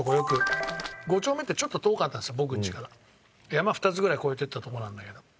山２つぐらい越えていったとこなんだけど。